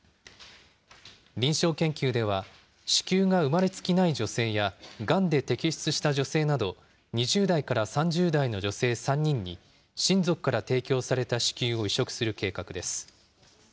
臨床研究では子宮が生まれつきない女性や、がんで摘出した女性など、２０代から３０代の女性３人に、親族から提供された子宮を移植する計画です。